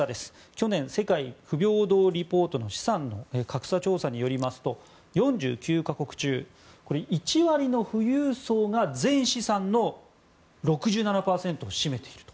去年、世界不平等リポート試算の格差調査によりますと４９か国中、１割の富裕層が全資産の６７％を占めていると。